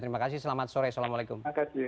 terima kasih selamat sore assalamualaikum